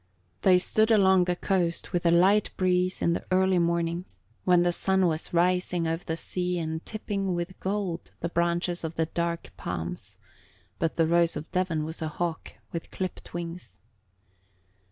They stood along the coast with a light breeze in the early morning, when the sun was rising over the sea and tipping with gold the branches of the dark palms; but the Rose of Devon was a hawk with clipped wings.